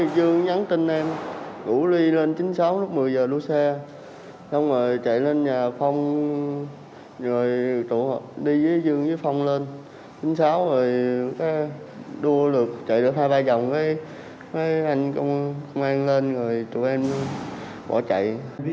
chạy được hai ba vòng thì anh công an lên rồi tụi em bỏ chạy